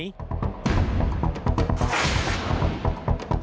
โปรดติดตามตอนต่อไป